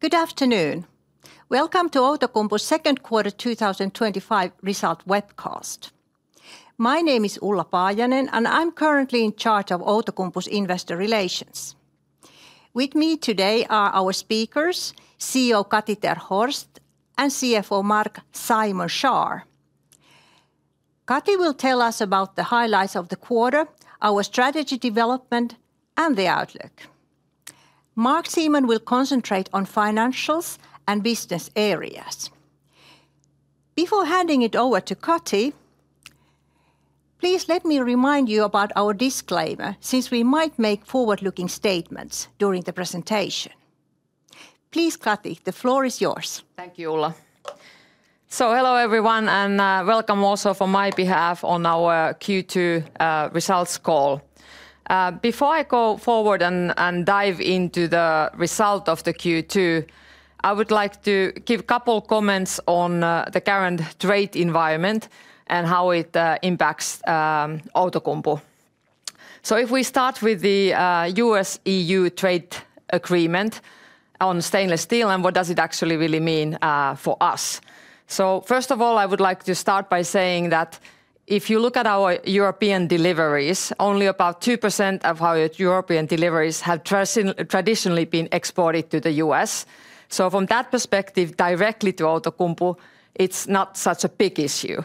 Good afternoon. Welcome to Outokumpu's second quarter 2025 result webcast. My name is Ulla Paajanen, and I'm currently in charge of Outokumpu's investor relations. With me today are our speakers, CEO Kati ter Horst and CFO Marc-Simon Schaar. Kati will tell us about the highlights of the quarter, our strategy development, and the outlook. Marc-Simon will concentrate on financials and business areas. Before handing it over to Kati, please let me remind you about our disclaimer since we might make forward-looking statements during the presentation. Please, Kati, the floor is yours. Thank you, Ulla. Hello everyone, and welcome also from my behalf on our Q2 results call. Before I go forward and dive into the result of the Q2, I would like to give a couple of comments on the current trade environment and how it impacts Outokumpu. If we start with the U.S.-EU trade agreement on stainless steel and what does it actually really mean for us, first of all, I would like to start by saying that if you look at our European deliveries, only about 2% of our European deliveries have traditionally been exported to the US. From that perspective, directly to Outokumpu, it's not such a big issue.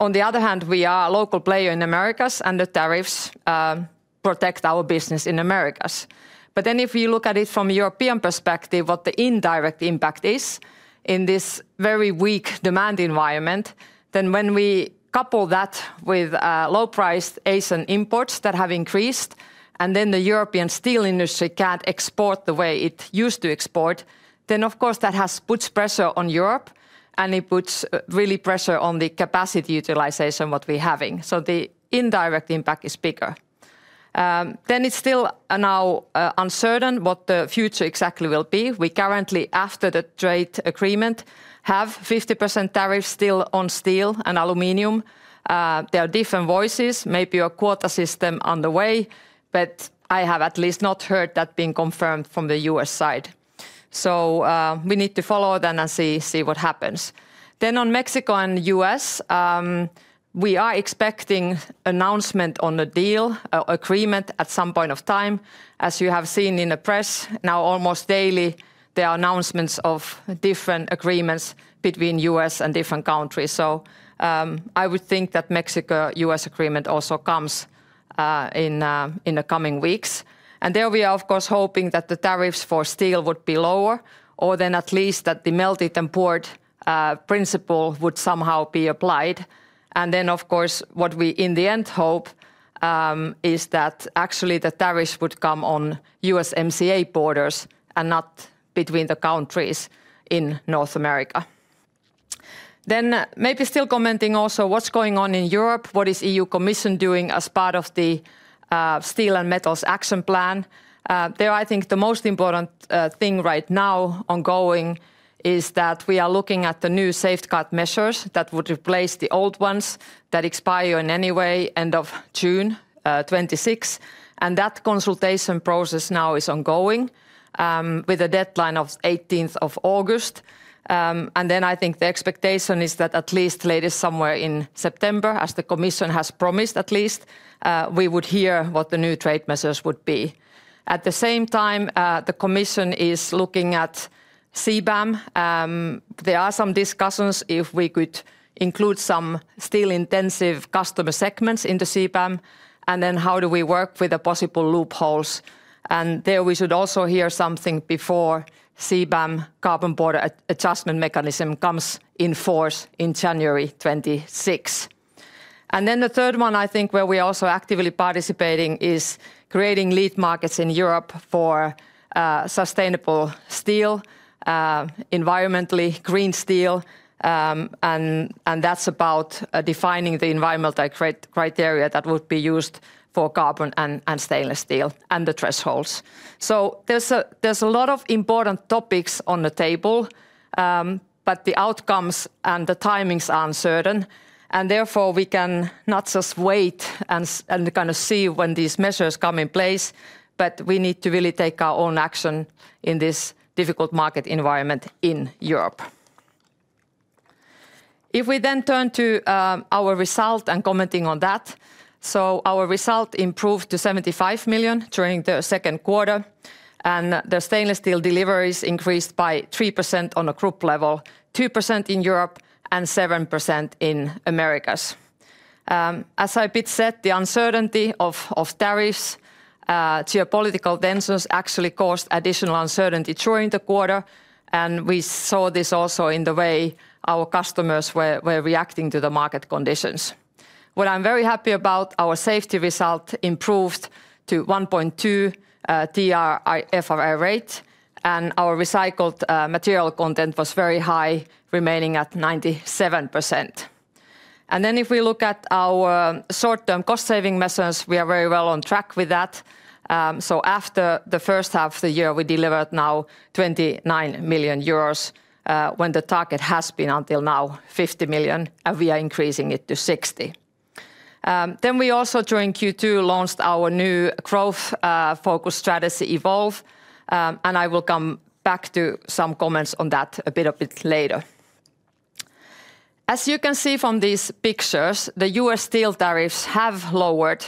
On the other hand, we are a local player in the Americas, and the tariffs protect our business in the Americas. If you look at it from a European perspective, what the indirect impact is in this very weak demand environment, when we couple that with low-priced ASEAN imports that have increased, and then the European steel industry can't export the way it used to export, that puts pressure on Europe, and it puts really pressure on the capacity utilization that we're having. The indirect impact is bigger. It's still now uncertain what the future exactly will be. We currently, after the trade agreement, have 50% tariffs still on steel and aluminum. There are different voices, maybe a quota system on the way, but I have at least not heard that being confirmed from the U.S. side. We need to follow that and see what happens. On Mexico and the U.S., we are expecting announcements on the deal agreement at some point of time. As you have seen in the press, now almost daily, there are announcements of different agreements between the US and different countries. I would think that the Mexico-U.S. agreement also comes in the coming weeks. There we are, of course, hoping that the tariffs for steel would be lower, or at least that the melted and poured principle would somehow be applied. What we in the end hope is that actually the tariffs would come on U.S.-MCA borders and not between the countries in North America. Maybe still commenting also what's going on in Europe, what is the EU Commission doing as part of the Steel and Metals Action Plan, I think the most important thing right now ongoing is that we are looking at the new safeguard measures that would replace the old ones that expire in any way end of June 2026. That consultation process now is ongoing with a deadline of 18th of August. I think the expectation is that at the latest, somewhere in September, as the Commission has promised, at least we would hear what the new trade measures would be. At the same time, the Commission is looking at CBAM. There are some discussions if we could include some steel-intensive customer segments in the CBAM, and then how do we work with the possible loopholes? We should also hear something before the CBAM Carbon Border Adjustment Mechanism comes in force in January 2026. The third one, where we are also actively participating, is creating lead markets in Europe for sustainable steel, environmentally green steel, and that's about defining the environmental criteria that would be used for carbon and stainless steel and the thresholds. There are a lot of important topics on the table, but the outcomes and the timings are uncertain. Therefore, we cannot just wait and kind of see when these measures come in place, but we need to really take our own action in this difficult market environment in Europe. If we then turn to our result and commenting on that, our result improved to 75 million during the second quarter, and the stainless steel deliveries increased by 3% on a group level, 2% in Europe, and 7% in the Americas. As I said, the uncertainty of tariffs and geopolitical tensions actually caused additional uncertainty during the quarter, and we saw this also in the way our customers were reacting to the market conditions. What I'm very happy about, our safety result improved to 1.2 TRIFR rate, and our recycled material content was very high, remaining at 97%. If we look at our short-term cost-saving measures, we are very well on track with that. After the first half of the year, we delivered 29 million euros when the target has been until now 50 million, and we are increasing it to 60 million. During Q2, we also launched our new growth-focused strategy, Evolve, and I will come back to some comments on that a bit later. As you can see from these pictures, the U.S. steel tariffs have lowered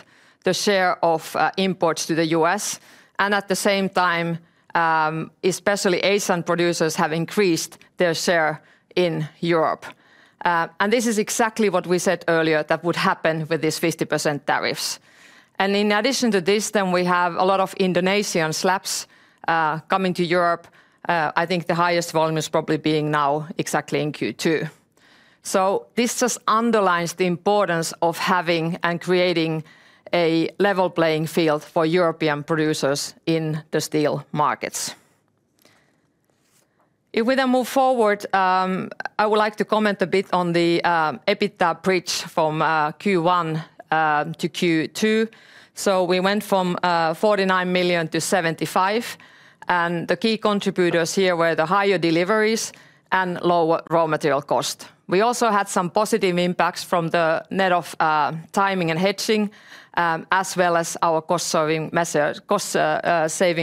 the share of imports to the U.S., and at the same time, especially ASEAN producers have increased their share in Europe. This is exactly what we said earlier would happen with these 50% tariffs. In addition to this, we have a lot of Indonesian slabs coming to Europe. I think the highest volume is probably being now exactly in Q2. This just underlines the importance of having and creating a level playing field for European producers in the steel markets. If we then move forward, I would like to comment a bit on the EBITDA bridge from Q1 to Q2. We went from 49 million to 75 million, and the key contributors here were the higher deliveries and lower raw material cost. We also had some positive impacts from the net of timing and hedging, as well as our cost-saving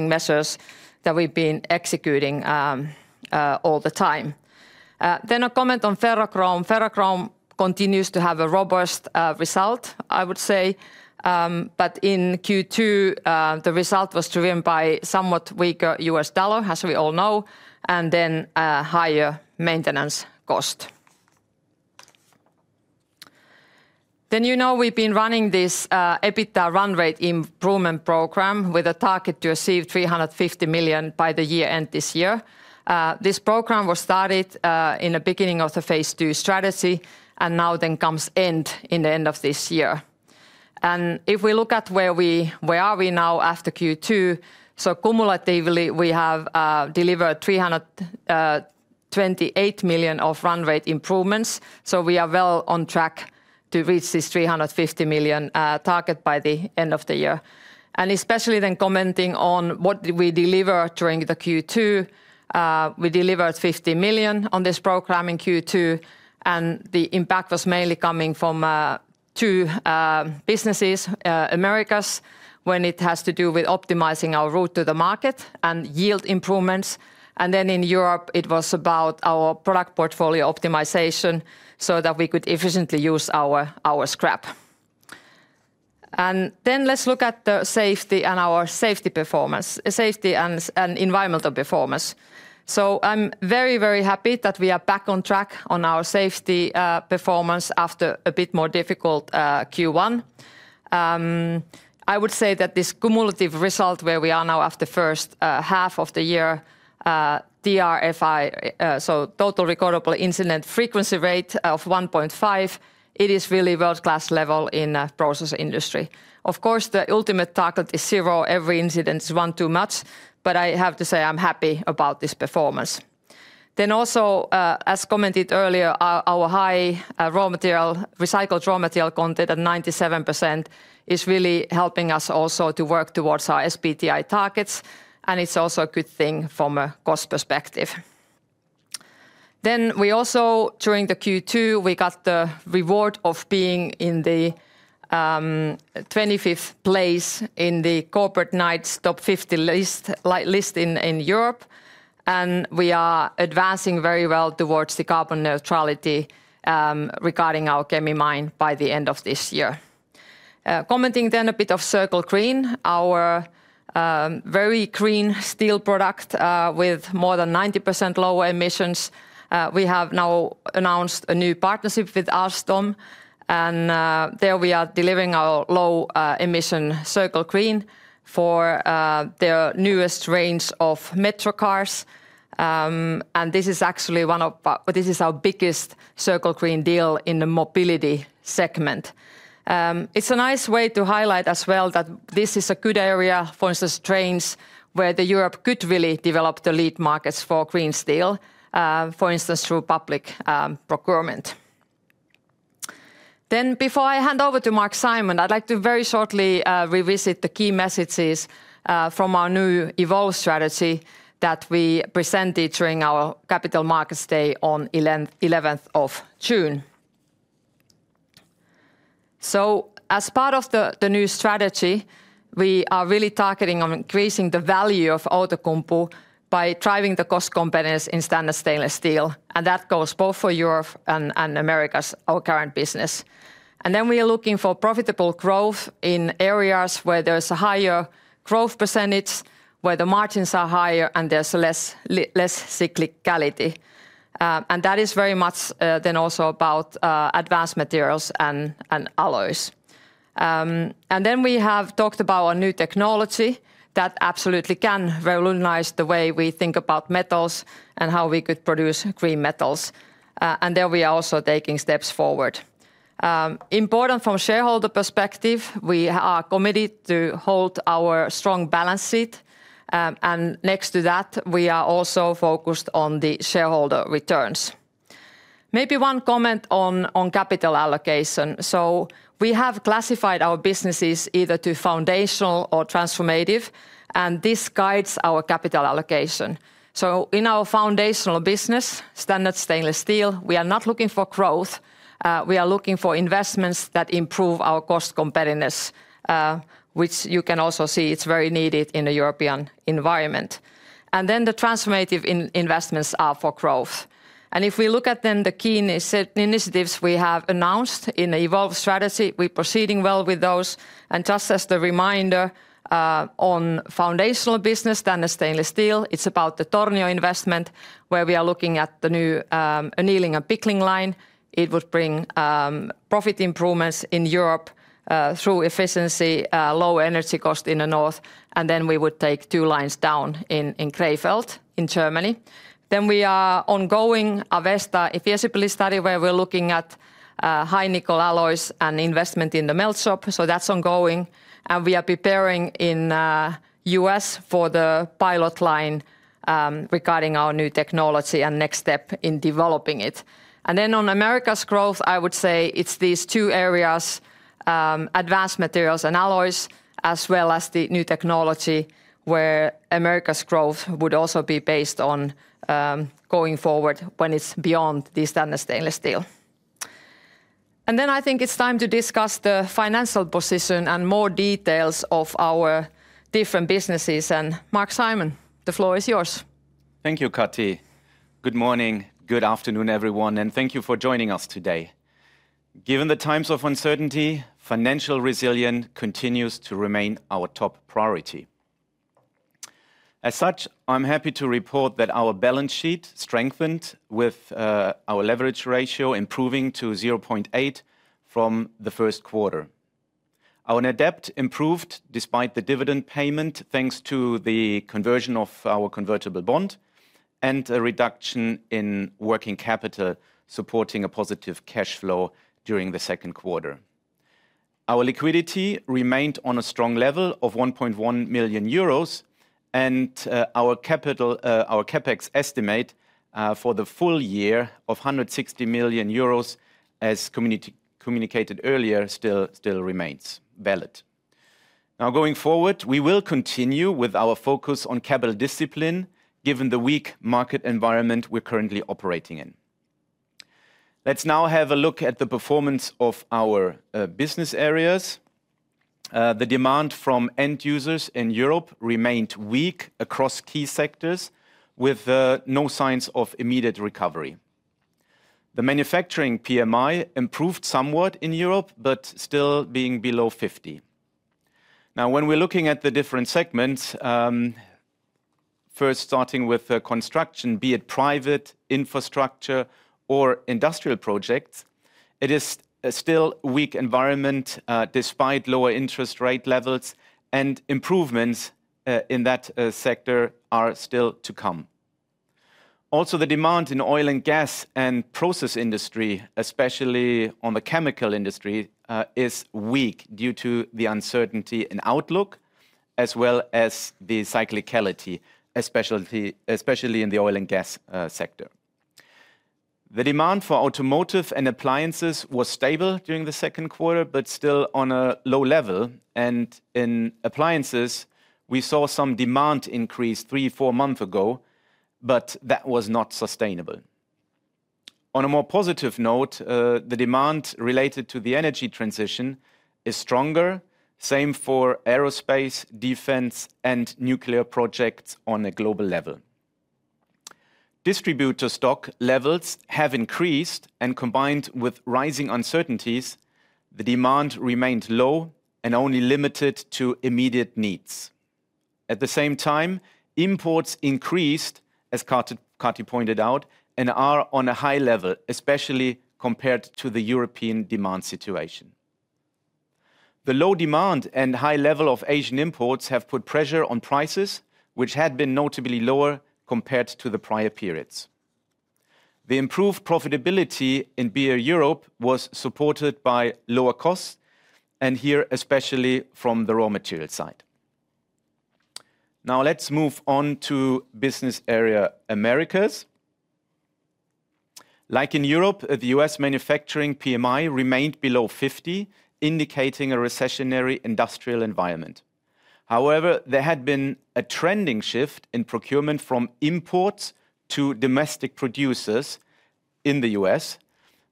measures that we've been executing all the time. A comment on ferrochrome. Ferrochrome continues to have a robust result, I would say, but in Q2, the result was driven by a somewhat weaker U.S. dollar, as we all know, and a higher maintenance cost. We've been running this EBITDA run rate improvement program with a target to achieve 350 million by the year end this year. This program was started in the beginning of the phase two strategy, and now comes to an end at the end of this year. If we look at where we are now after Q2, cumulatively we have delivered 328 million of run rate improvements, so we are well on track to reach this 350 million target by the end of the year. Especially commenting on what we delivered during Q2, we delivered 50 million on this program in Q2, and the impact was mainly coming from two businesses: Americas, when it has to do with optimizing our route to the market and yield improvements, and in Europe, it was about our product portfolio optimization so that we could efficiently use our scrap. Let's look at the safety and our safety performance, safety and environmental performance. I'm very, very happy that we are back on track on our safety performance after a bit more difficult Q1. I would say that this cumulative result where we are now after the first half of the year, TRIFR, so Total Recordable Injury Frequency Rate of 1.5, it is really a world-class level in the process industry. Of course, the ultimate target is zero; every incident is one too much, but I have to say I'm happy about this performance. Also, as commented earlier, our high recycled material content at 97% is really helping us also to work towards our SPTI targets, and it's also a good thing from a cost perspective. During Q2, we got the reward of being in the 25th place in the Corporate Knights Top 50 list in Europe, and we are advancing very well towards the carbon neutrality regarding our Kemi mine by the end of this year. Commenting a bit on Circle Green, our very green steel product with more than 90% lower emissions, we have now announced a new partnership with Alstom, and there we are delivering our low-emission Circle Green for their newest range of metro cars. This is actually one of, this is our biggest Circle Green deal in the mobility segment. It's a nice way to highlight as well that this is a good area, for instance, trains, where Europe could really develop the lead markets for green steel, for instance, through public procurement. Before I hand over to Marc-Simon, I'd like to very shortly revisit the key messages from our new Evolve strategy that we presented during our Capital Markets Day on 11th of June. As part of the new strategy, we are really targeting on increasing the value of Outokumpu by driving the cost competitive in standard stainless steel, and that goes both for Europe and Americas current business. We are looking for profitable growth in areas where there is a higher growth percentage, where the margins are higher, and there's less cyclicality. That is very much then also about advanced materials and alloys. We have talked about a new technology that absolutely can revolutionize the way we think about metals and how we could produce green metals, and there we are also taking steps forward. Important from a shareholder perspective, we are committed to hold our strong balance sheet, and next to that, we are also focused on the shareholder returns. Maybe one comment on capital allocation. We have classified our businesses either to foundational or transformative, and this guides our capital allocation. In our foundational business, standard stainless steel, we are not looking for growth; we are looking for investments that improve our cost competitiveness, which you can also see is very needed in the European environment. The transformative investments are for growth. If we look at the key initiatives we have announced in the Evolve strategy, we're proceeding well with those. Just as a reminder, on foundational business, standard stainless steel, it's about the Tornio investment, where we are looking at the new annealing and pickling line. It would bring profit improvements in Europe through efficiency, low energy cost in the north, and we would take two lines down in Krefeld in Germany. We are ongoing with the Avesta Efficiency Study, where we're looking at high-nickel alloys and investment in the melt shop, so that's ongoing. We are preparing in the U.S. for the pilot line regarding our new technology and next step in developing it. On Americas growth, I would say it's these two areas: advanced materials and alloys, as well as the new technology, where Americas growth would also be based on going forward when it's beyond the standard stainless steel. I think it's time to discuss the financial position and more details of our different businesses. Marc-Simon, the floor is yours. Thank you, Kati. Good morning, good afternoon everyone, and thank you for joining us today. Given the times of uncertainty, financial resilience continues to remain our top priority. As such, I'm happy to report that our balance sheet strengthened with our leverage ratio improving to 0.8x from the first quarter. Our net debt improved despite the dividend payment thanks to the conversion of our convertible bond and a reduction in working capital, supporting a positive cash flow during the second quarter. Our liquidity remained on a strong level of 1.1 million euros, and our CapEx estimate for the full year of 160 million euros, as communicated earlier, still remains valid. Now, going forward, we will continue with our focus on capital discipline, given the weak market environment we're currently operating in. Let's now have a look at the performance of our business areas. The demand from end users in Europe remained weak across key sectors, with no signs of immediate recovery. The manufacturing PMI improved somewhat in Europe, but still being below 50. Now, when we're looking at the different segments, first starting with construction, be it private infrastructure or industrial projects, it is still a weak environment despite lower interest rate levels, and improvements in that sector are still to come. Also, the demand in the oil and gas and process industry, especially on the chemical industry, is weak due to the uncertainty in outlook, as well as the cyclicality, especially in the oil and gas sector. The demand for automotive and appliances was stable during the second quarter, but still on a low level. In appliances, we saw some demand increase three or four months ago, but that was not sustainable. On a more positive note, the demand related to the energy transition is stronger, same for aerospace, defense, and nuclear projects on a global level. Distributor stock levels have increased, and combined with rising uncertainties, the demand remained low and only limited to immediate needs. At the same time, imports increased, as Kati pointed out, and are on a high level, especially compared to the European demand situation. The low demand and high level of Asian imports have put pressure on prices, which had been notably lower compared to the prior periods. The improved profitability in BA Europe was supported by lower costs, and here especially from the raw material side. Now, let's move on to business area Americas. Like in Europe, the U.S. manufacturing PMI remained below 50, indicating a recessionary industrial environment. However, there had been a trending shift in procurement from imports to domestic producers in the U.S.,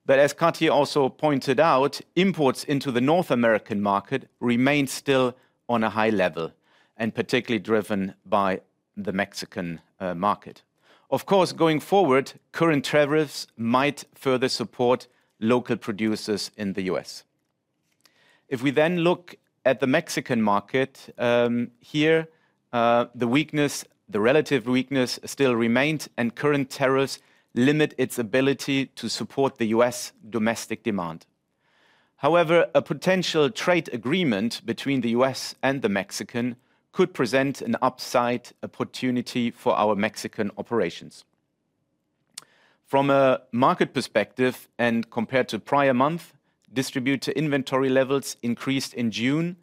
but as Kati also pointed out, imports into the North American market remain still on a high level, and particularly driven by the Mexican market. Of course, going forward, current tariffs might further support local producers in the U.S. If we then look at the Mexican market, here, the relative weakness still remains, and current tariffs limit its ability to support the U.S. domestic demand. However, a potential trade agreement between the U.S. and Mexico could present an upside opportunity for our Mexican operations. From a market perspective, and compared to prior month, distributor inventory levels increased in June,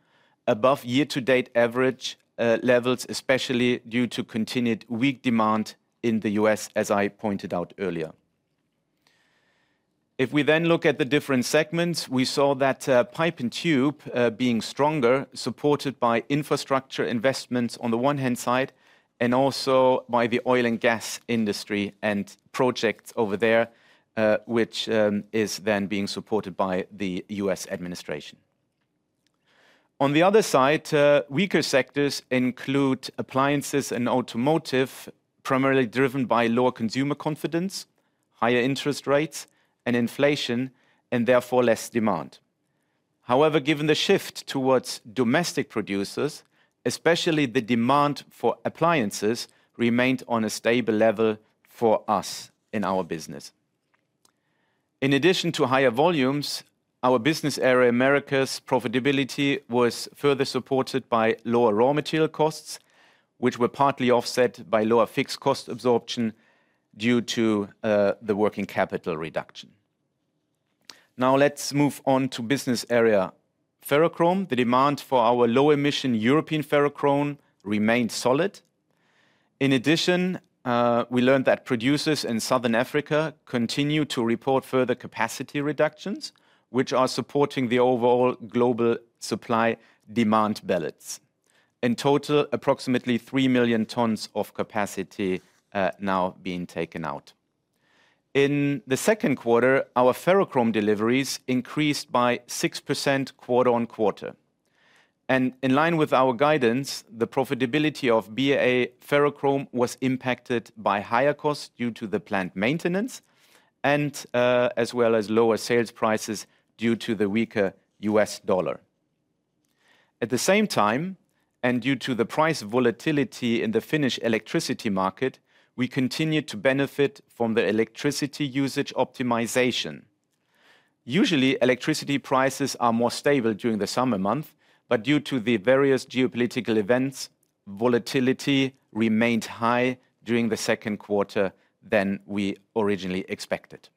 above year-to-date average levels, especially due to continued weak demand in the U.S., as I pointed out earlier. If we then look at the different segments, we saw that pipe and tube being stronger, supported by infrastructure investments on the one hand side, and also by the oil and gas industry and projects over there, which is then being supported by the U.S. administration. On the other side, weaker sectors include appliances and automotive, primarily driven by lower consumer confidence, higher interest rates, and inflation, and therefore less demand. However, given the shift towards domestic producers, especially the demand for appliances remained on a stable level for us in our business. In addition to higher volumes, our business area Americas' profitability was further supported by lower raw material costs, which were partly offset by lower fixed cost absorption due to the working capital reduction. Now, let's move on to business area ferrochrome. The demand for our low-emission European ferrochrome remained solid. In addition, we learned that producers in Southern Africa continue to report further capacity reductions, which are supporting the overall global supply-demand balance. In total, approximately 3 million tons of capacity now being taken out. In the second quarter, our ferrochrome deliveries increased by 6% quarter-on-quarter. In line with our guidance, the profitability of business area ferrochrome was impacted by higher costs due to the plant maintenance, as well as lower sales prices due to the weaker U.S. dollar. At the same time, and due to the price volatility in the Finnish electricity market, we continued to benefit from the electricity usage optimization. Usually, electricity prices are more stable during the summer months, but due to the various geopolitical events, volatility remained higher during the second quarter than we originally expected.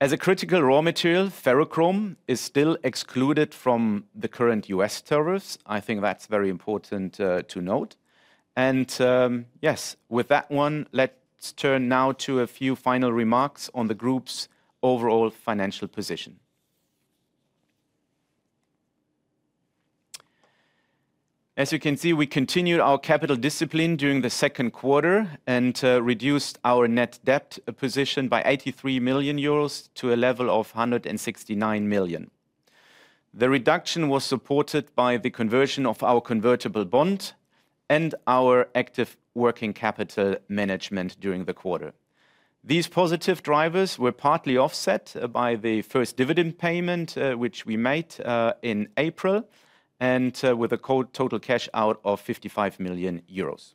As a critical raw material, ferrochrome is still excluded from the current U.S. tariffs. I think that's very important to note. Yes, with that, let's turn now to a few final remarks on the group's overall financial position. As you can see, we continued our capital discipline during the second quarter and reduced our net debt position by 83 million euros to a level of 169 million. The reduction was supported by the conversion of our convertible bond and our active working capital management during the quarter. These positive drivers were partly offset by the first dividend payment, which we made in April, with a total cash out of 55 million euros.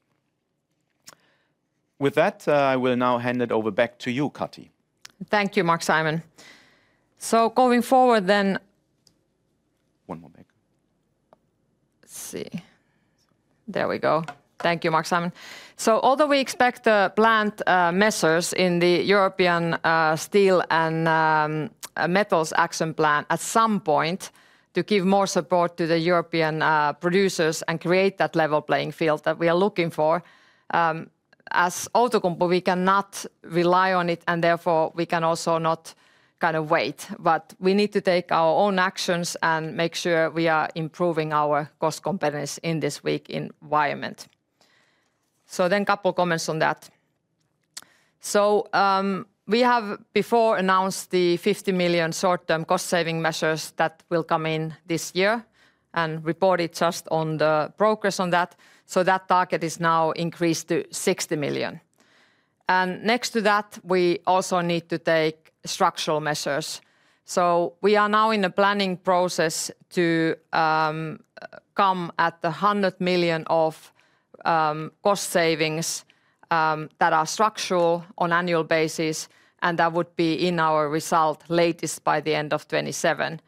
With that, I will now hand it over back to you, Kati. Thank you, Marc-Simon. Going forward then... One more back. Thank you, Marc-Simon. Although we expect the planned measures in the European Steel and Metals Action Plan at some point to give more support to the European producers and create that level playing field that we are looking for, as Outokumpu, we cannot rely on it, and therefore we can also not kind of wait. We need to take our own actions and make sure we are improving our cost competitiveness in this weak environment. A couple of comments on that. We have before announced the 50 million short-term cost-saving measures that will come in this year and reported just on the progress on that. That target is now increased to 60 million. Next to that, we also need to take structural measures. We are now in the planning process to come at the 100 million of cost savings that are structural on an annual basis, and that would be in our result latest by the end of 2027.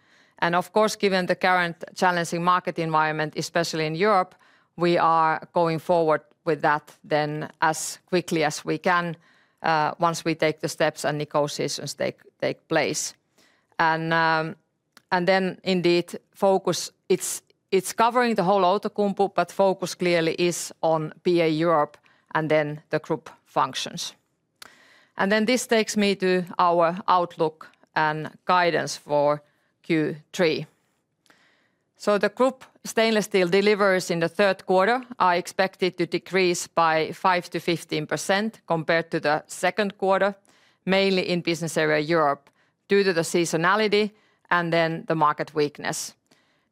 Of course, given the current challenging market environment, especially in Europe, we are going forward with that as quickly as we can once we take the steps and negotiations take place. The focus is covering the whole Outokumpu, but focus clearly is on BA Europe and the group functions. This takes me to our outlook and guidance for Q3. The group stainless steel deliveries in the third quarter are expected to decrease by 5%-15% compared to the second quarter, mainly in business area Europe due to the seasonality and the market weakness.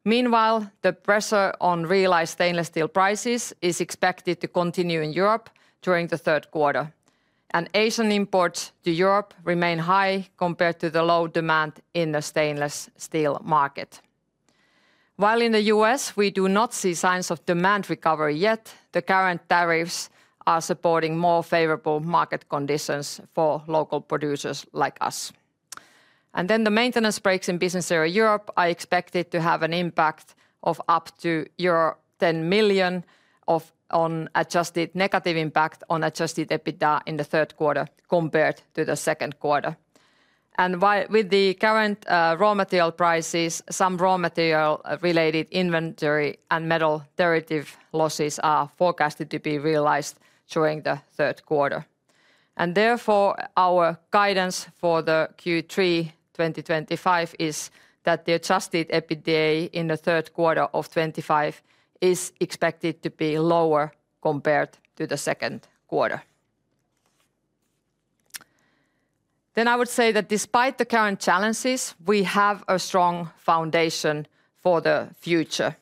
Meanwhile, the pressure on realized stainless steel prices is expected to continue in Europe during the third quarter. Asian imports to Europe remain high compared to the low demand in the stainless steel market. While in the U.S., we do not see signs of demand recovery yet, the current tariffs are supporting more favorable market conditions for local producers like us. The maintenance breaks in business area Europe are expected to have an impact of up to 10 million negative impact on adjusted EBITDA in the third quarter compared to the second quarter. With the current raw material prices, some raw material-related inventory and metal derivative losses are forecasted to be realized during the third quarter. Therefore, our guidance for Q3 2025 is that the adjusted EBITDA in the third quarter of 2025 is expected to be lower compared to the second quarter. I would say that despite the current challenges, we have a strong foundation for the future.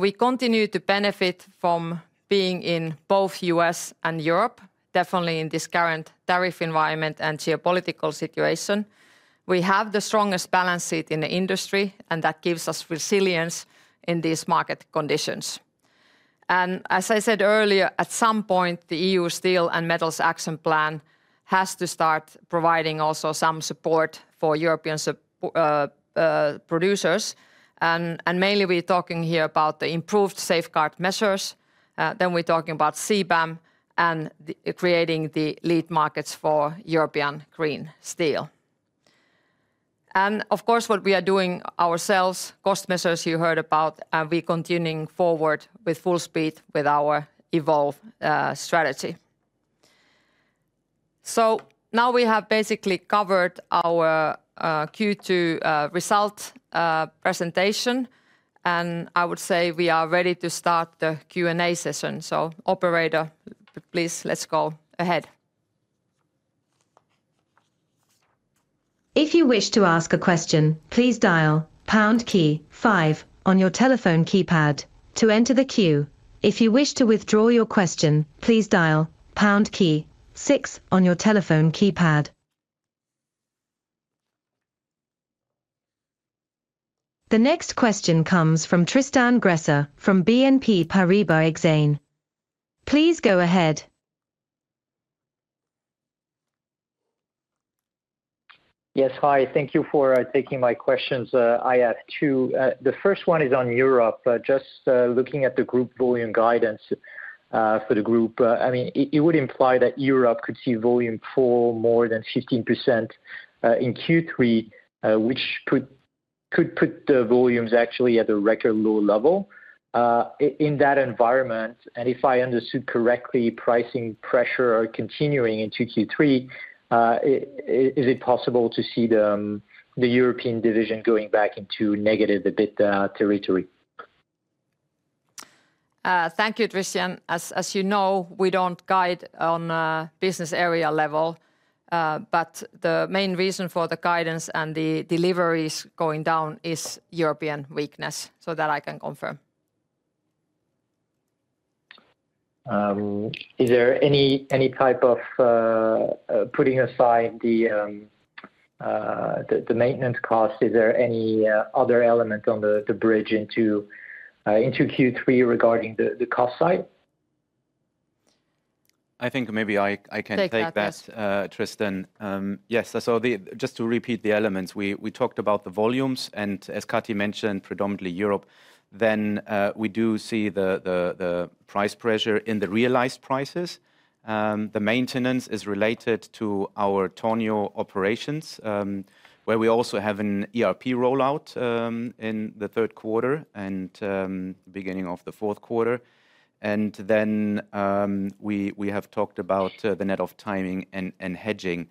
We continue to benefit from being in both the US and Europe, definitely in this current tariff environment and geopolitical situation. We have the strongest balance sheet in the industry, and that gives us resilience in these market conditions. As I said earlier, at some point, the EU Steel and Metals Action Plan has to start providing also some support for European producers. Mainly, we're talking here about the improved safeguard measures. We're talking about CBAM and creating the lead markets for European green steel. Of course, what we are doing ourselves, cost measures you heard about, and we're continuing forward with full speed with our Evolve strategy. We have basically covered our Q2 result presentation, and I would say we are ready to start the Q&A session. Operator, please, let's go ahead. If you wish to ask a question, please dial pound key five on your telephone keypad to enter the queue. If you wish to withdraw your question, please dial pound key six on your telephone keypad. The next question comes from Tristan Gresser from BNP Paribas Exane. Please go ahead. Yes, hi. Thank you for taking my questions. I have two. The first one is on Europe. Just looking at the group volume guidance for the group, it would imply that Europe could see volume fall more than 15% in Q3, which could put the volumes actually at a record low level in that environment. If I understood correctly, pricing pressure continuing into Q3, is it possible to see the European division going back into negative EBITDA territory? Thank you, Tristan. As you know, we don't guide on a business area level, but the main reason for the guidance and the deliveries going down is European weakness, so that I can confirm. Is there any type of, putting aside the maintenance cost, is there any other element on the bridge into Q3 regarding the cost side? I think maybe I can take that, Tristan. Yes, just to repeat the elements, we talked about the volumes, and as Kati mentioned, predominantly Europe. We do see the price pressure in the realized prices. The maintenance is related to our Tornio operations, where we also have an ERP rollout in the third quarter and beginning of the fourth quarter. We have talked about the net of timing and hedging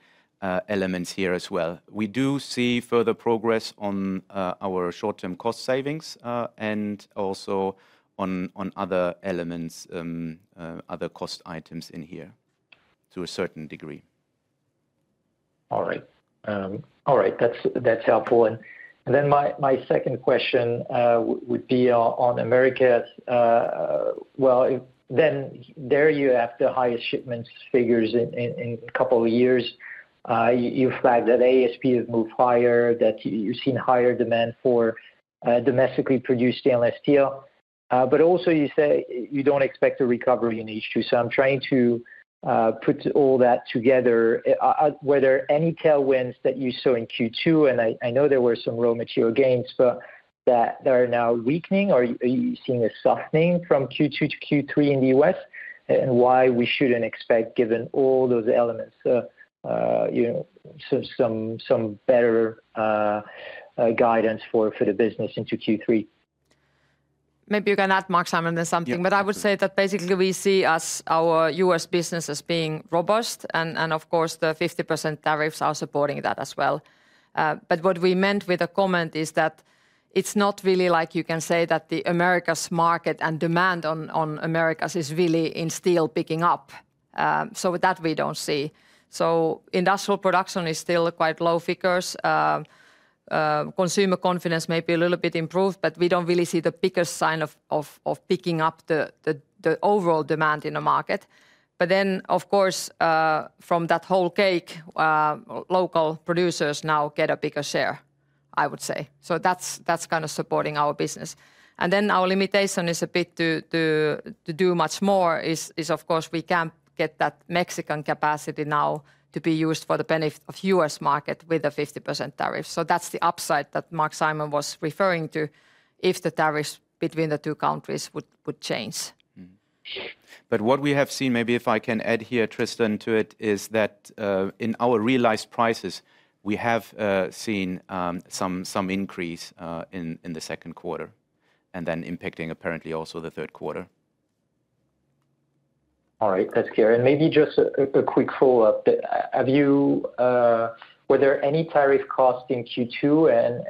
elements here as well. We do see further progress on our short-term cost savings and also on other elements, other cost items in here to a certain degree. All right, that's helpful. My second question would be on Americas. There you have the highest shipments figures in a couple of years. You flagged that ASP has moved higher, that you've seen higher demand for domestically produced stainless steel, but you say you don't expect a recovery in H2. I'm trying to put all that together, whether any tailwinds that you saw in Q2, and I know there were some raw material gains, are now weakening. Are you seeing a softening from Q2 to Q3 in the U.S.? Why shouldn't we expect, given all those elements, some better guidance for the business into Q3? Maybe you can add, Marc-Simon, to something, but I would say that basically we see our U.S. business as being robust, and of course the 50% tariffs are supporting that as well. What we meant with the comment is that it's not really like you can say that the Americas market and demand on Americas is really still picking up. We don't see that. Industrial production is still quite low figures. Consumer confidence may be a little bit improved, but we don't really see the biggest sign of picking up the overall demand in the market. From that whole cake, local producers now get a bigger share, I would say. That's kind of supporting our business. Our limitation to do much more is, of course, we can't get that Mexican capacity now to be used for the benefit of the U.S. market with the 50% tariffs. That's the upside that Marc-Simon was referring to if the tariffs between the two countries would change. What we have seen, maybe if I can add here, Tristan, to it, is that in our realized prices, we have seen some increase in the second quarter, impacting apparently also the third quarter. All right, that's clear. Maybe just a quick follow-up. Were there any tariff costs in Q2, and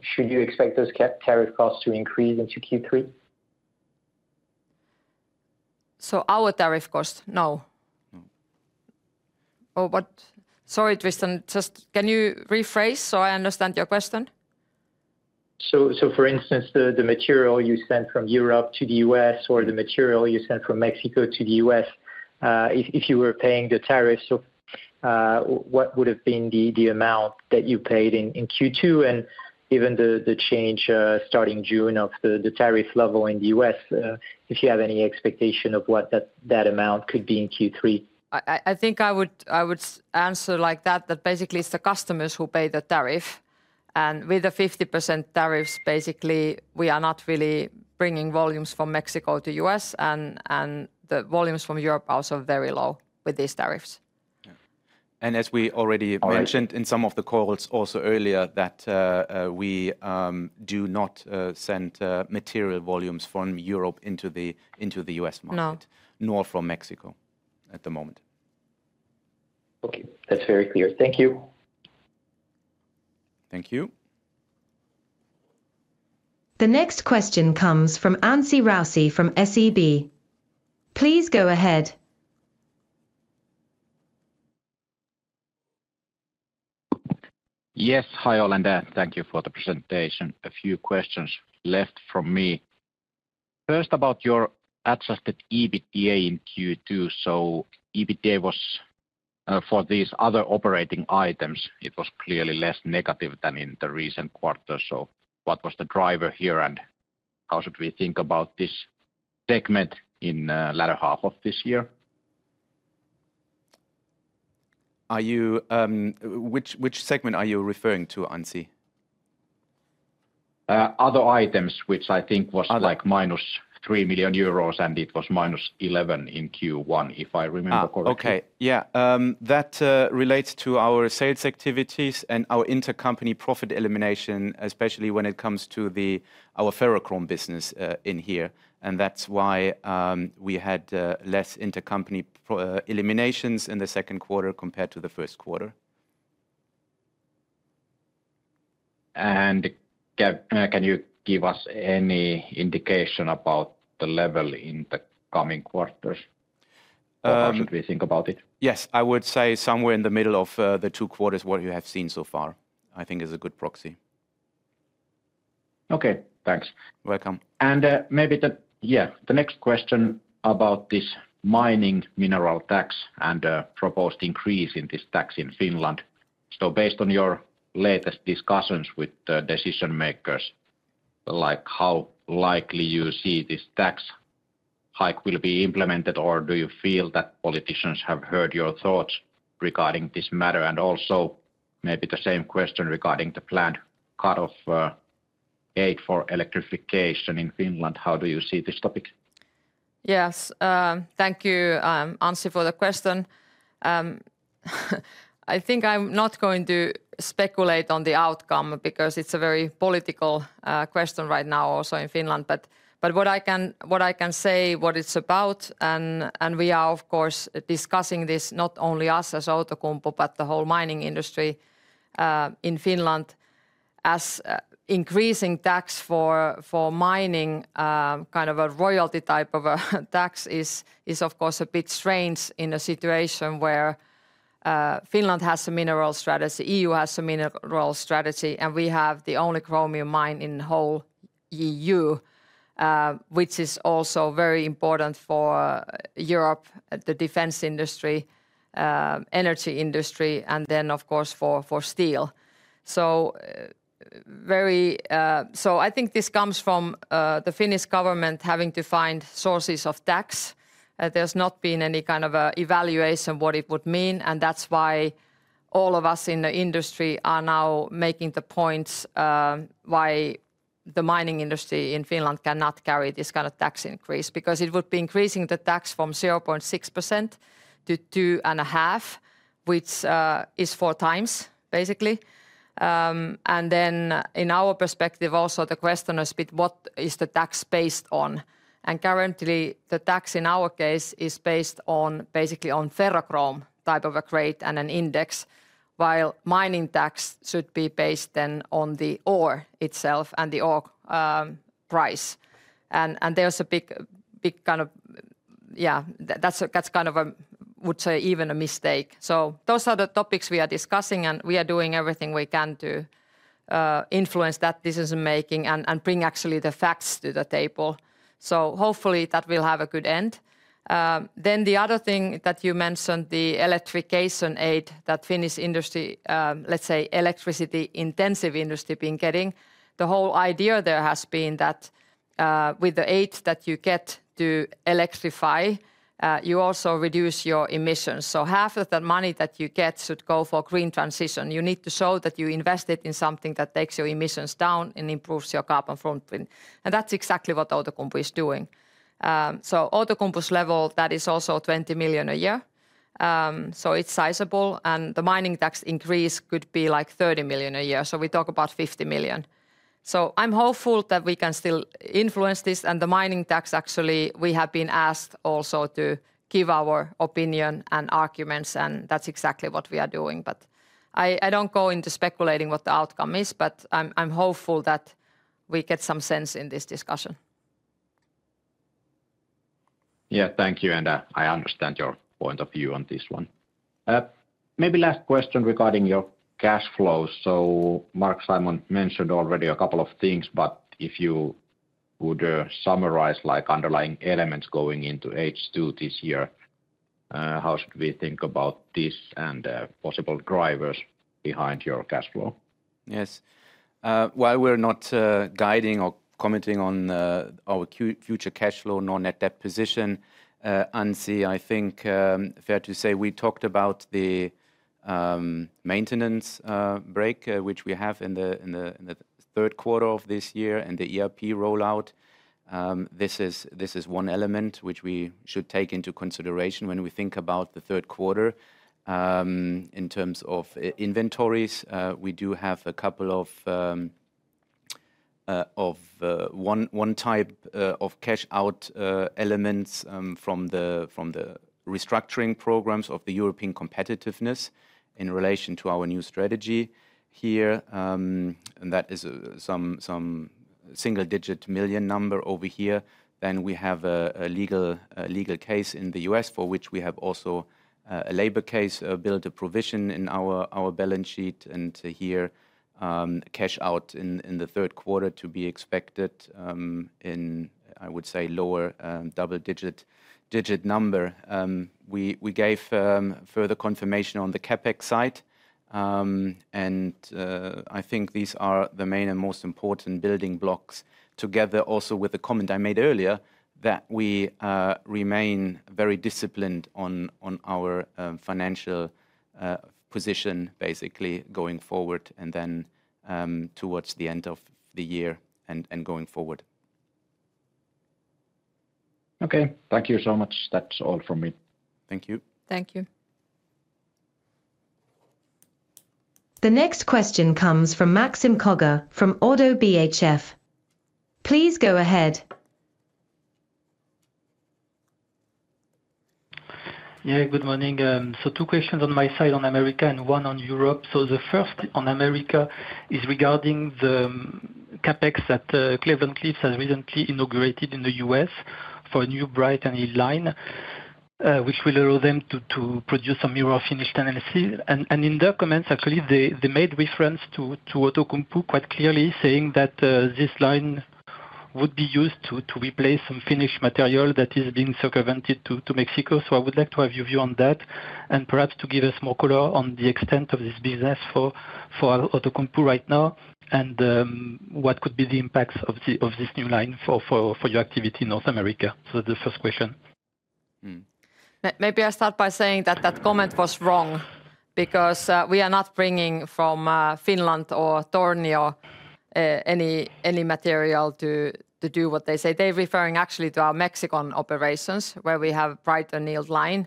should you expect those tariff costs to increase into Q3? Our tariff costs, no. Sorry, Tristan, just can you rephrase so I understand your question? For instance, the material you sent from Europe to the U.S. or the material you sent from Mexico to the U.S., if you were paying the tariffs, what would have been the amount that you paid in Q2? Given the change starting June of the tariff level in the U.S., if you have any expectation of what that amount could be in Q3? I think I would answer like that, that basically it's the customers who pay the tariff. With the 50% tariffs, basically, we are not really bringing volumes from Mexico to the U.S., and the volumes from Europe are also very low with these tariffs. As we already mentioned in some of the calls earlier, we do not send material volumes from Europe into the U.S. market, nor from Mexico at the moment. That's very clear. Thank you. Thank you. The next question comes from Anssi Raussi from SEB. Please go ahead. Yes, hi all, and thank you for the presentation. A few questions left for me. First, about your adjusted EBITDA in Q2. EBITDA was for these other operating items, it was clearly less negative than in the recent quarter. What was the driver here, and how should we think about this segment in the latter half of this year? Which segment are you referring to, Anssi? Other items, which I think was like -3 million euros, and it was -11 million in Q1, if I remember correctly. Okay, yeah. That relates to our sales activities and our intercompany profit elimination, especially when it comes to our ferrochrome business in here. That's why we had less intercompany eliminations in the second quarter compared to the first quarter. Can you give us any indication about the level in the coming quarters? How should we think about it? Yes, I would say somewhere in the middle of the two quarters, what you have seen so far, I think is a good proxy. Okay, thanks. Welcome. Maybe the next question about this mining mineral tax and the proposed increase in this tax in Finland. Based on your latest discussions with the decision makers, how likely do you see this tax hike will be implemented, or do you feel that politicians have heard your thoughts regarding this matter? Also, maybe the same question regarding the planned cut of aid for electrification in Finland. How do you see this topic? Yes, thank you, Anssi, for the question. I think I'm not going to speculate on the outcome because it's a very political question right now also in Finland. What I can say, what it's about, and we are, of course, discussing this, not only us as Outokumpu, but the whole mining industry in Finland, as increasing tax for mining, kind of a royalty type of a tax, is of course a bit strange in a situation where Finland has a mineral strategy, the EU has a mineral strategy, and we have the only chromium mine in the whole EU, which is also very important for Europe, the defense industry, energy industry, and then of course for steel. I think this comes from the Finnish government having to find sources of tax. There's not been any kind of evaluation of what it would mean, and that's why all of us in the industry are now making the points why the mining industry in Finland cannot carry this kind of tax increase, because it would be increasing the tax from 0.6% to 2.5%, which is four times, basically. In our perspective, also the question is a bit what is the tax based on. Currently, the tax in our case is based on basically on ferrochrome type of a crate and an index, while mining tax should be based then on the ore itself and the ore price. There's a big kind of, yeah, that's kind of a, would say, even a mistake. Those are the topics we are discussing, and we are doing everything we can to influence that decision-making and bring actually the facts to the table. Hopefully that will have a good end. The other thing that you mentioned, the electrification aid that Finnish industry, let's say, electricity-intensive industry has been getting, the whole idea there has been that with the aid that you get to electrify, you also reduce your emissions. Half of the money that you get should go for green transition. You need to show that you invested in something that takes your emissions down and improves your carbon footprint. That's exactly what Outokumpu is doing. Outokumpu's level, that is also 20 million a year. It's sizable, and the mining tax increase could be like 30 million a year. We talk about 50 million. I'm hopeful that we can still influence this, and the mining tax, actually, we have been asked also to give our opinion and arguments, and that's exactly what we are doing. I don't go into speculating what the outcome is, but I'm hopeful that we get some sense in this discussion. Thank you, and I understand your point of view on this one. Maybe last question regarding your cash flow. Marc-Simon mentioned already a couple of things, but if you would summarize like underlying elements going into H2 this year, how should we think about this and possible drivers behind your cash flow? Yes, while we're not guiding or committing on our future cash flow nor net debt position, Anssi, I think fair to say we talked about the maintenance break, which we have in the third quarter of this year and the ERP rollout. This is one element which we should take into consideration when we think about the third quarter in terms of inventories. We do have a couple of one type of cash-out elements from the restructuring programs of the European competitiveness in relation to our new strategy here. That is some single-digit million number over here. We have a legal case in the U.S. for which we have also a labor case, built a provision in our balance sheet. Here, cash-out in the third quarter to be expected in, I would say, lower double-digit number. We gave further confirmation on the CapEx side, and I think these are the main and most important building blocks, together also with the comment I made earlier, that we remain very disciplined on our financial position, basically going forward and then towards the end of the year and going forward. Okay, thank you so much. That's all from me. Thank you. Thank you. The next question comes from Maxime Kogge from ODDO BHF. Please go ahead. Yeah, good morning. Two questions on my side on Americas and one on Europe. The first on Americas is regarding the CapEx that Cleveland Cliffs has recently inaugurated in the U.S. for a new bright annealing and pickling line, which will allow them to produce some new or finished NLC. In their comments, they made reference to Outokumpu quite clearly, saying that this line would be used to replace some finished material that is being circumvented to Mexico. I would like to have your view on that and perhaps to give us more color on the extent of this business for Outokumpu right now and what could be the impacts of this new line for your activity in North America. That's the first question. Maybe I'll start by saying that comment was wrong because we are not bringing from Finland or Tornio any material to do what they say. They're referring actually to our Mexican operations where we have a bright and neat line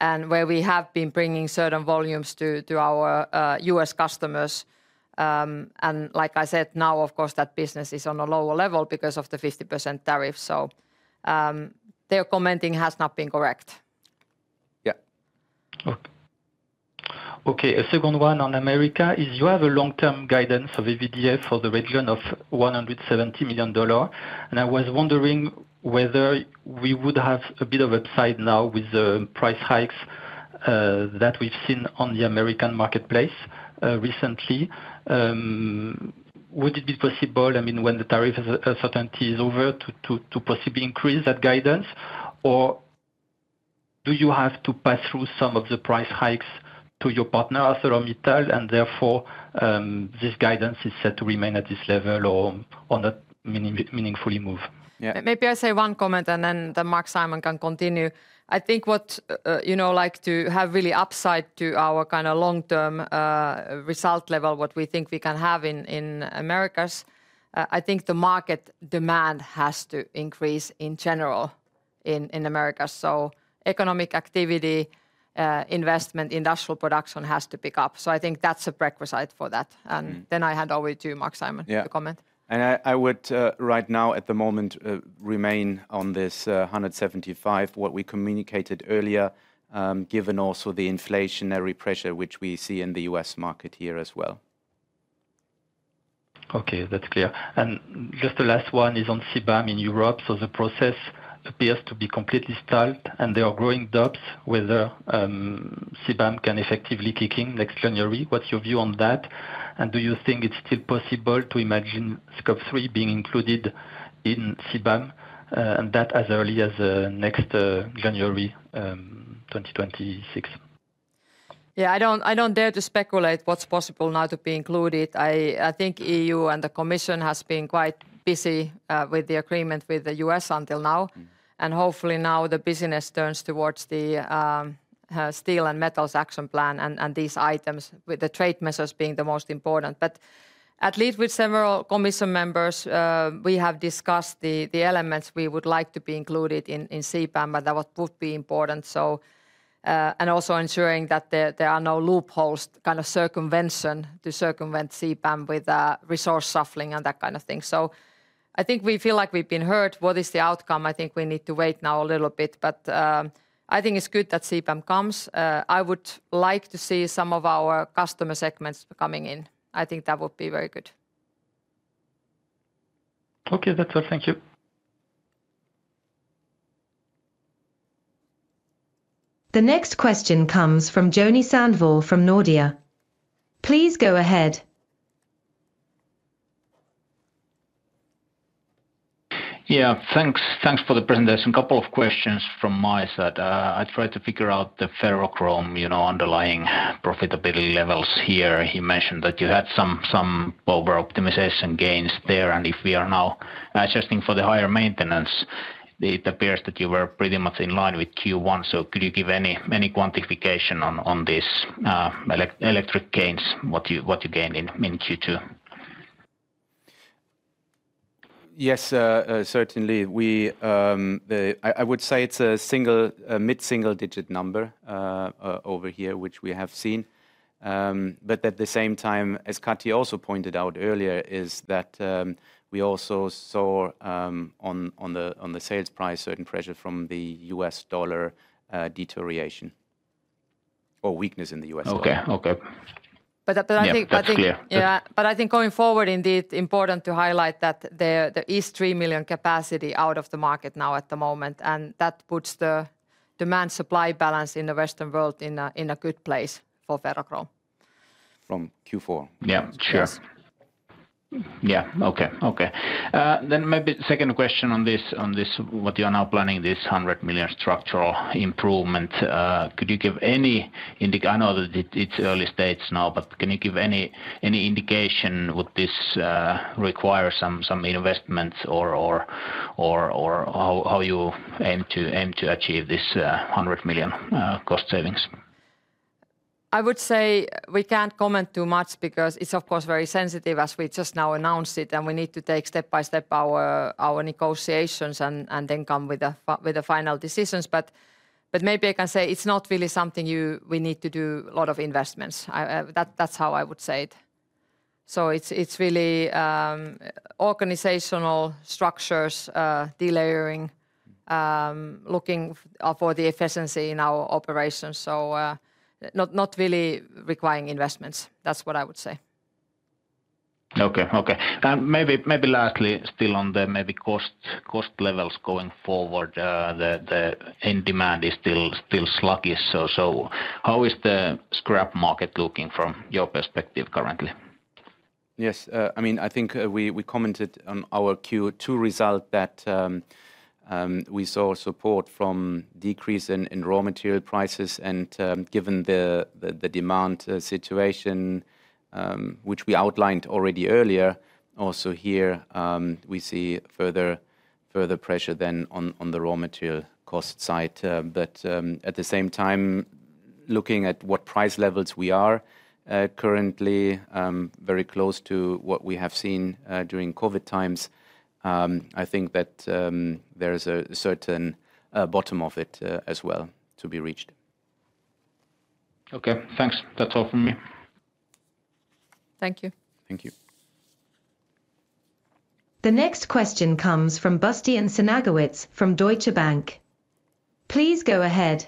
and where we have been bringing certain volumes to our U.S. customers. Like I said, now, of course, that business is on a lower level because of the 50% tariff. Their commenting has not been correct. Okay, a second one on Americas is you have a long-term guidance of EBITDA for the region of EUR 170 million. I was wondering whether we would have a bit of upside now with the price hikes that we've seen on the American marketplace recently. Would it be possible, I mean, when the tariff certainty is over, to possibly increase that guidance? Do you have to pass through some of the price hikes to your partner, ArcelorMittal, and therefore this guidance is set to remain at this level or not meaningfully move? Maybe I'll say one comment and then Marc-Simon can continue. I think what you know, like to have really upside to our kind of long-term result level, what we think we can have in Americas, I think the market demand has to increase in general in Americas. Economic activity, investment, industrial production has to pick up. I think that's a requisite for that. I hand over to Marc-Simon for the comment. I would right now at the moment remain on this 175, what we communicated earlier, given also the inflationary pressure which we see in the U.S. market here as well. Okay, that's clear. Just the last one is on CBAM in Europe. The process appears to be completely stalled, and there are growing doubts whether CBAM can effectively kick in next January. What's your view on that? Do you think it's still possible to imagine scope three being included in CBAM, and that as early as next January 2026? Yeah, I don't dare to speculate what's possible now to be included. I think the EU and the Commission have been quite busy with the agreement with the U.S. until now. Hopefully, now the busyness turns towards the Steel and Metals Action Plan and these items, with the trade measures being the most important. At least with several Commission members, we have discussed the elements we would like to be included in CBAM and that would be important. Also, ensuring that there are no loopholes, kind of circumvention to circumvent CBAM with resource shuffling and that kind of thing. I think we feel like we've been heard. What is the outcome? I think we need to wait now a little bit, but I think it's good that CBAM comes. I would like to see some of our customer segments coming in. I think that would be very good. Okay, that's a thank you. The next question comes from Joni Sandvall from Nordea. Please go ahead. Yeah, thanks for the presentation. A couple of questions from my side. I tried to figure out the ferrochrome, you know, underlying profitability levels here. You mentioned that you had some over-optimization gains there, and if we are now adjusting for the higher maintenance, it appears that you were pretty much in line with Q1. Could you give any quantification on these electric gains, what you gained in Q2? Yes, certainly. I would say it's a single mid-single-digit number over here, which we have seen. At the same time, as Kati also pointed out earlier, we also saw on the sales price certain pressure from the U.S. dollar deterioration or weakness in the U.S. dollar. Okay, okay. I think going forward, indeed, it's important to highlight that there is 3 million capacity out of the market now at the moment, and that puts the demand-supply balance in the Western world in a good place for ferrochrome. From Q4? Yeah, sure. Okay. Maybe the second question on this, what you are now planning, this 100 million structural improvement. Could you give any, I know that it's early stages now, but can you give any indication what this requires, some investments, or how you aim to achieve this 100 million cost savings? I would say we can't comment too much because it's, of course, very sensitive as we just now announced it, and we need to take step by step our negotiations and then come with the final decisions. Maybe I can say it's not really something we need to do a lot of investments. That's how I would say it. It's really organizational structures, delayering, looking for the efficiency in our operations, not really requiring investments. That's what I would say. Okay. Maybe lastly, still on the maybe cost levels going forward, the end demand is still sluggish. How is the scrap market looking from your perspective currently? Yes, I mean, I think we commented on our Q2 result that we saw support from decrease in raw material prices. Given the demand situation, which we outlined already earlier, also here, we see further pressure on the raw material cost side. At the same time, looking at what price levels we are currently, very close to what we have seen during COVID times, I think that there is a certain bottom of it as well to be reached. Okay, thanks. That's all from me. Thank you. Thank you. The next question comes from Bastian Synagowitz from Deutsche Bank. Please go ahead.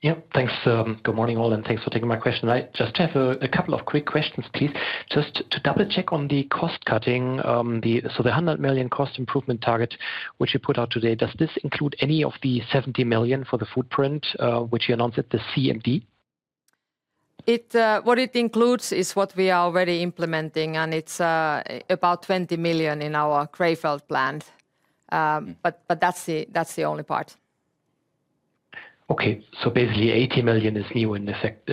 Yeah, thanks. Good morning all, and thanks for taking my question. I just have a couple of quick questions, please. Just to double-check on the cost cutting, the 100 million cost improvement target which you put out today, does this include any of the 70 million for the footprint which you announced at the CMD? What it includes is what we are already implementing, and it's about 20 million in our Krefeld plant. That's the only part. Okay, basically 80 million is new in effect.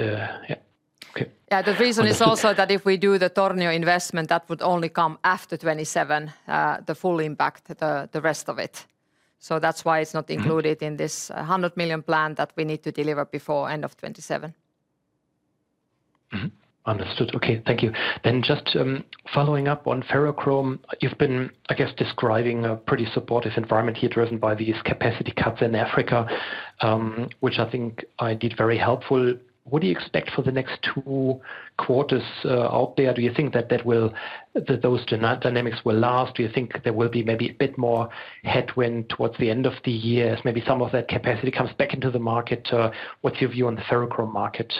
Yeah, the reason is also that if we do the Tornio investment, that would only come after 2027, the full impact, the rest of it. That's why it's not included in this 100 million plan that we need to deliver before end of 2027. Understood. Okay, thank you. Just following up on ferrochrome, you've been describing a pretty supportive environment here driven by these capacity cuts in Africa, which I think are indeed very helpful. What do you expect for the next two quarters out there? Do you think that those dynamics will last? Do you think there will be maybe a bit more headwind towards the end of the year as maybe some of that capacity comes back into the market? What's your view on the ferrochrome market?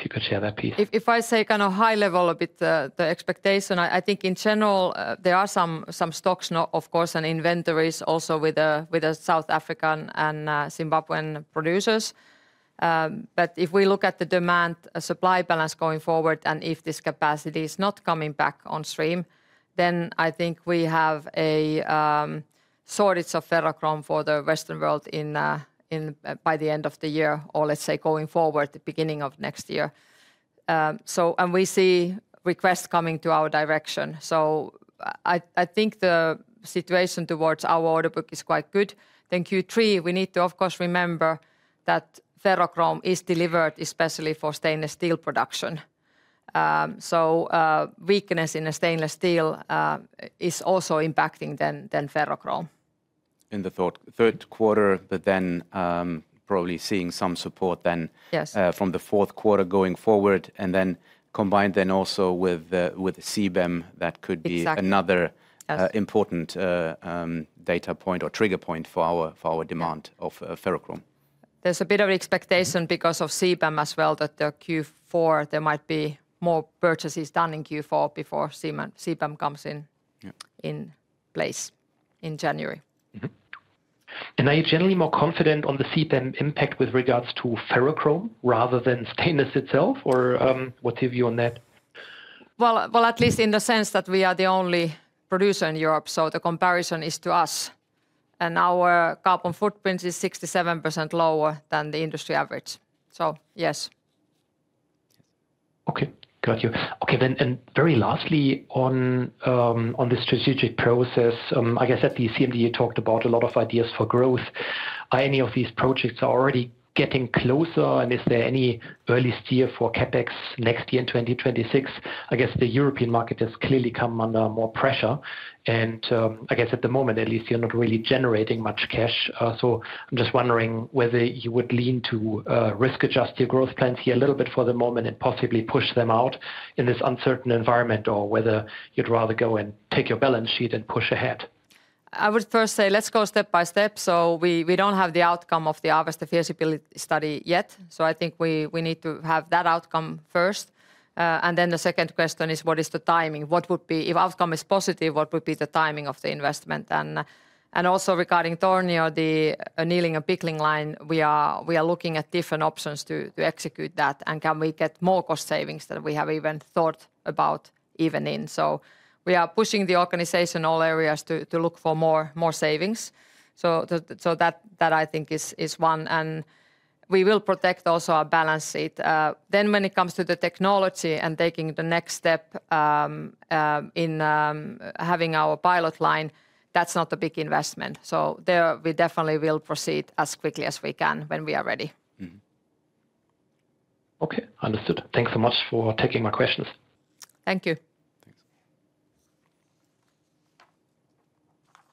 If you could share that piece. If I say kind of high level of the expectation, I think in general there are some stocks, of course, and inventories also with the South African and Zimbabwean producers. If we look at the demand-supply balance going forward and if this capacity is not coming back on stream, then I think we have a shortage of ferrochrome for the Western world by the end of the year or let's say going forward, the beginning of next year. We see requests coming to our direction. I think the situation towards our order book is quite good. Q3, we need to, of course, remember that ferrochrome is delivered, especially for stainless steel production. Weakness in the stainless steel is also impacting then ferrochrome. In the third quarter, we are probably seeing some support from the fourth quarter going forward. Combined with CBAM, that could be another important data point or trigger point for our demand of ferrochrome. There's a bit of expectation because of CBAM as well that Q4, there might be more purchases done in Q4 before CBAM comes in place in January. Are you generally more confident on the CBAM impact with regards to ferrochrome rather than stainless itself? What's your view on that? At least in the sense that we are the only producer in Europe, so the comparison is to us. Our carbon footprint is 67% lower than the industry average. Yes. Okay, got you. Okay, then very lastly on this strategic process, I guess at the CMD, you talked about a lot of ideas for growth. Are any of these projects already getting closer? Is there any early steer for CapEx next year in 2026? I guess the European market has clearly come under more pressure. At the moment, at least you're not really generating much cash. I'm just wondering whether you would lean to risk-adjust your growth plans here a little bit for the moment and possibly push them out in this uncertain environment, or whether you'd rather go and take your balance sheet and push ahead. I would first say let's go step by step. We don't have the outcome of the Avesta Efficiency Study yet. I think we need to have that outcome first. The second question is what is the timing? What would be, if the outcome is positive, the timing of the investment? Also, regarding Tornio, the annealing and pickling line, we are looking at different options to execute that. Can we get more cost savings than we have even thought about? We are pushing the organization in all areas to look for more savings. That, I think, is one. We will protect also our balance sheet. When it comes to the technology and taking the next step in having our pilot line, that's not a big investment. We definitely will proceed as quickly as we can when we are ready. Okay, understood. Thanks so much for taking my questions. Thank you.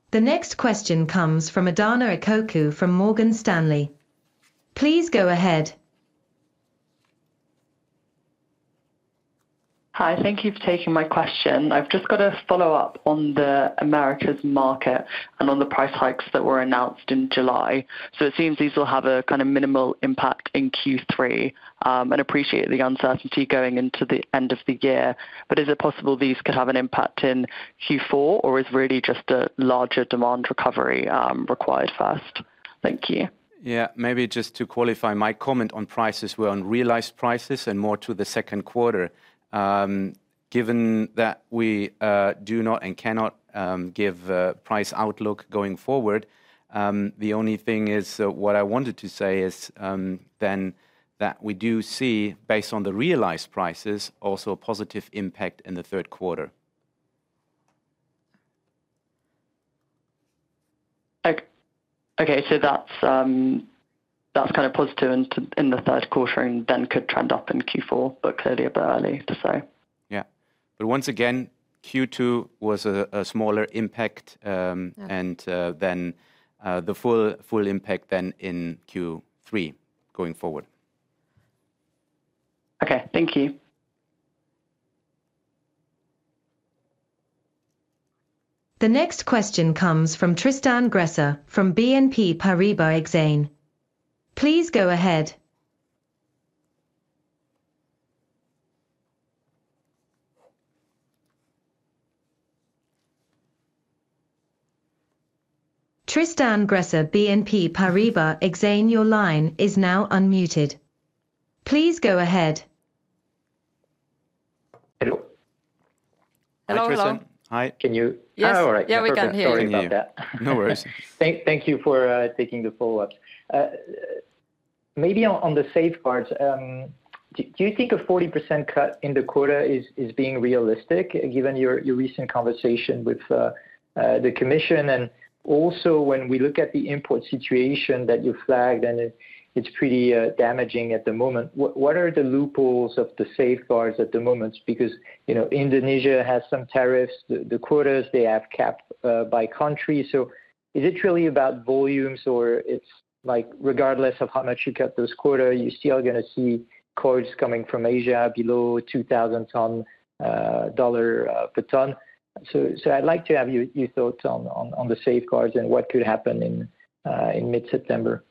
The next question comes from Adahna Ekoku from Morgan Stanley. Please go ahead. Hi, thank you for taking my question. I've just got a follow-up on the Americas market and on the price hikes that were announced in July. It seems these will have a kind of minimal impact in Q3. I appreciate the uncertainty going into the end of the year. Is it possible these could have an impact in Q4, or is really just a larger demand recovery required first? Thank you. Maybe just to qualify, my comment on prices was on realized prices and more to the second quarter. Given that we do not and cannot give a price outlook going forward, the only thing is what I wanted to say is that we do see, based on the realized prices, also a positive impact in the third quarter. Okay, that's kind of positive in the third quarter and then could trend up in Q4, but clearly a bit early to say. Yeah, once again, Q2 was a smaller impact, and the full impact is then in Q3 going forward. Okay, thank you. The next question comes from Tristan Gresser from BNP Paribas Exane. Please go ahead. Tristan Gresser, BNP Paribas Exane, your line is now unmuted. Please go ahead. Hello, hello. Hi. Can you? Yes. All right. Yeah, we can hear you. Sorry about that. No worries. Thank you for taking the follow-up. Maybe on the safeguard measures, do you think a 40% cut in the quarter is being realistic given your recent conversation with the Commission? When we look at the import situation that you flagged, and it's pretty damaging at the moment, what are the loopholes of the safeguard measures at the moment? Indonesia has some tariffs, the quotas are capped by country. Is it really about volumes, or is it like regardless of how much you cut those quotas, you're still going to see quotes coming from Asia below $2,000 per ton? I'd like to have your thoughts on the safeguard measures and what could happen in mid-September.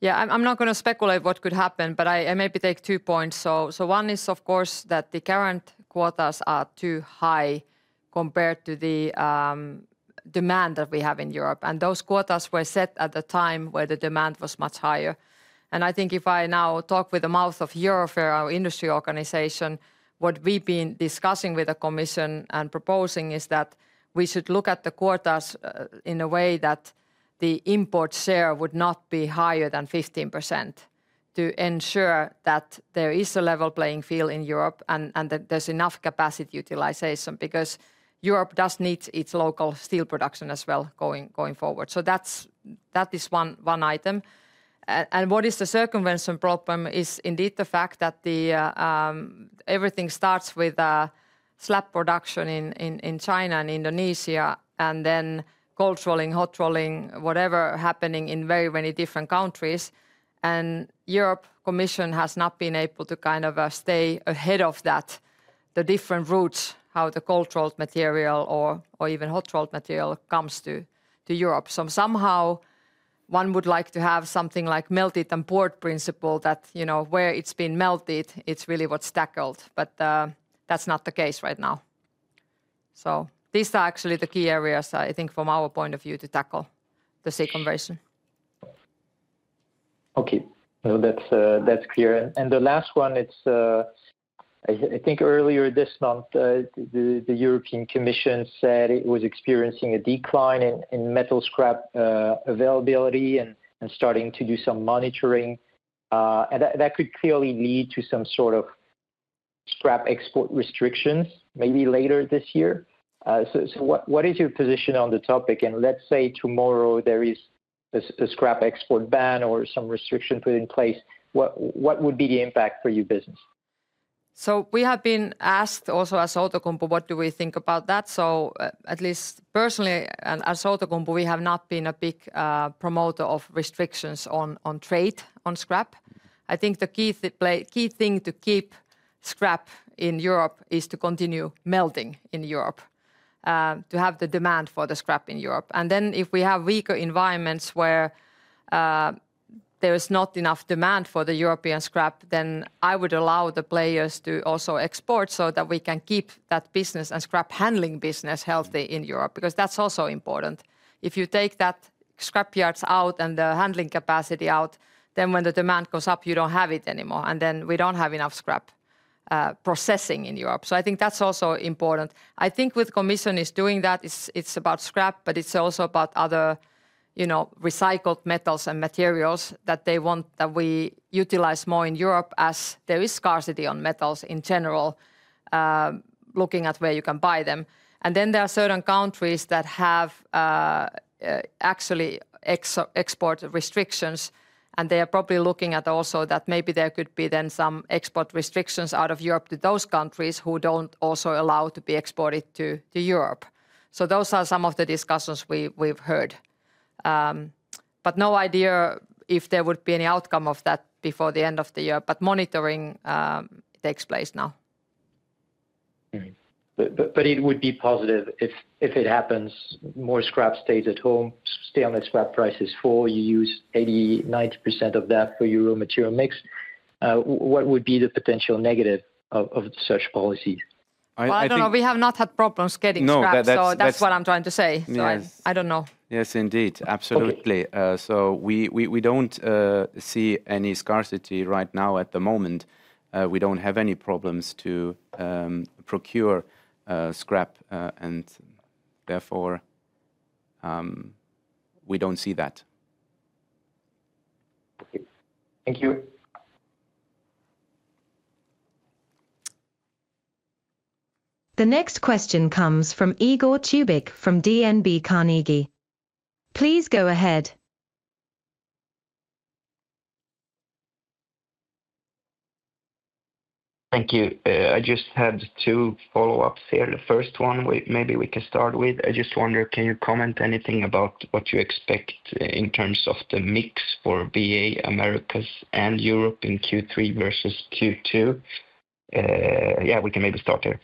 Yeah, I'm not going to speculate what could happen, but I maybe take two points. One is, of course, that the current quotas are too high compared to the demand that we have in Europe. Those quotas were set at the time where the demand was much higher. If I now talk with the mouth of Eurofer, our industry organization, what we've been discussing with the Commission and proposing is that we should look at the quotas in a way that the import share would not be higher than 15% to ensure that there is a level playing field in Europe and that there's enough capacity utilization because Europe does need its local steel production as well going forward. That is one item. What is the circumvention problem is indeed the fact that everything starts with slab production in China and Indonesia, and then cold rolling, hot rolling, whatever happening in very many different countries. Europe's Commission has not been able to kind of stay ahead of that, the different routes, how the cold rolled material or even hot rolled material comes to Europe. Somehow one would like to have something like melted and poured principle that, you know, where it's been melted, it's really what's tackled. That's not the case right now. These are actually the key areas I think from our point of view to tackle the second version. Okay, that's clear. The last one, I think earlier this month, the European Commission said it was experiencing a decline in metal scrap availability and starting to do some monitoring. That could clearly lead to some sort of scrap export restrictions maybe later this year. What is your position on the topic? Let's say tomorrow there is a scrap export ban or some restriction put in place, what would be the impact for your business? We have been asked also as Outokumpu what do we think about that. At least personally, and as Outokumpu, we have not been a big promoter of restrictions on trade on scrap. I think the key thing to keep scrap in Europe is to continue melting in Europe, to have the demand for the scrap in Europe. If we have weaker environments where there is not enough demand for the European scrap, I would allow the players to also export so that we can keep that business and scrap handling business healthy in Europe because that's also important. If you take the scrap yards out and the handling capacity out, when the demand goes up, you don't have it anymore. We don't have enough scrap processing in Europe. I think that's also important. I think what the Commission is doing, it's about scrap, but it's also about other recycled metals and materials that they want us to utilize more in Europe as there is scarcity on metals in general, looking at where you can buy them. There are certain countries that have actually export restrictions, and they are probably looking at also that maybe there could be then some export restrictions out of Europe to those countries who don't also allow to be exported to Europe. Those are some of the discussions we've heard. No idea if there would be any outcome of that before the end of the year, but monitoring takes place now. It would be positive if it happens. More scrap stays at home, stay on the scrap prices for you use 80%-90% of that for your raw material mix. What would be the potential negative of such policies? No, we have not had problems getting scraps, so that's what I'm trying to say. I don't know. Yes, indeed. Absolutely. We don't see any scarcity right now at the moment. We don't have any problems to procure scrap, and therefore we don't see that. Thank you. The next question comes from Igor Tubic from DNB Carnegie. Please go ahead. Thank you. I just had two follow-ups here. The first one, maybe we can start with. I just wonder, can you comment anything about what you expect in terms of the mix for BA Americas and Europe in Q3 versus Q2? Yeah, we can maybe start there.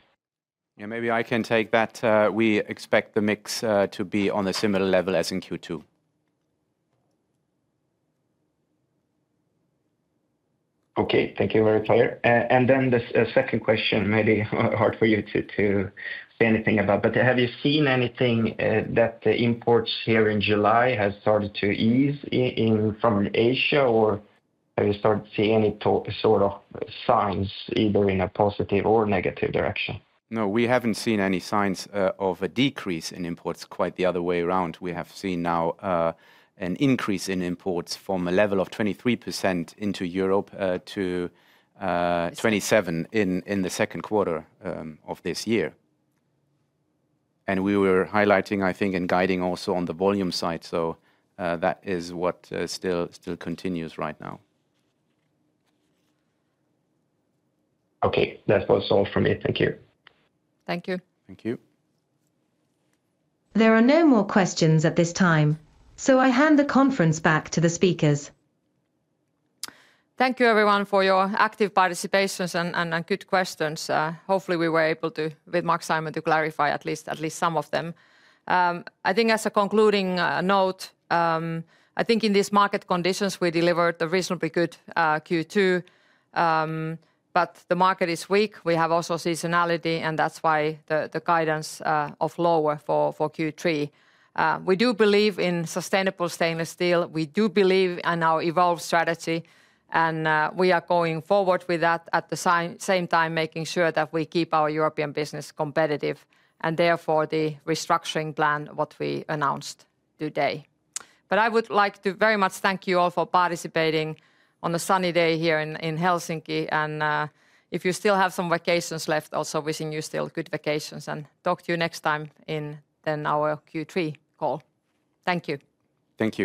Yeah, maybe I can take that. We expect the mix to be on a similar level as in Q2. Thank you, very clear. The second question, maybe hard for you to say anything about, but have you seen anything that the imports here in July have started to ease from Asia, or have you started to see any sort of signs either in a positive or negative direction? No, we haven't seen any signs of a decrease in imports, quite the other way around. We have seen now an increase in imports from a level of 23% into Europe to 27% in the second quarter of this year. We were highlighting, I think, and guiding also on the volume side. That is what still continues right now. Okay, that was all from me. Thank you. Thank you. Thank you. There are no more questions at this time, so I hand the conference back to the speakers. Thank you, everyone, for your active participation and good questions. Hopefully, we were able to, with Marc-Simon, to clarify at least some of them. I think as a concluding note, I think in these market conditions, we delivered a reasonably good Q2, but the market is weak. We have also seasonality, and that's why the guidance of lower for Q3. We do believe in sustainable stainless steel. We do believe in our evolved strategy, and we are going forward with that at the same time making sure that we keep our European business competitive and therefore the restructuring plan what we announced today. I would like to very much thank you all for participating on a sunny day here in Helsinki, and if you still have some vacations left, also wishing you still good vacations and talk to you next time in then our Q3 call. Thank you. Thank you.